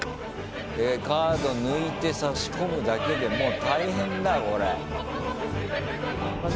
カード抜いて差し込むだけでもう大変だよこれ。